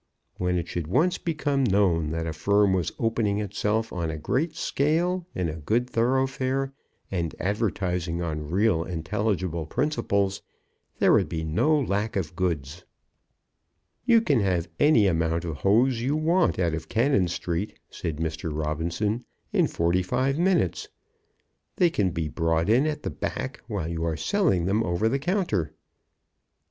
When it should once become known that a firm was opening itself on a great scale in a good thoroughfare, and advertising on real, intelligible principles, there would be no lack of goods. "You can have any amount of hose you want, out of Cannon Street," said Mr. Robinson, "in forty five minutes. They can be brought in at the back while you are selling them over the counter."